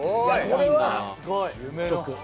これは。